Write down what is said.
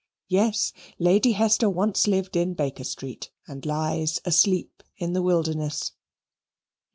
Yes, Lady Hester once lived in Baker Street, and lies asleep in the wilderness.